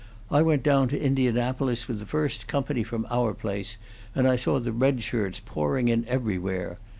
"I went down to Indianapolis with the first company from our place, and I saw the red shirts pouring in everywhere.